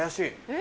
え？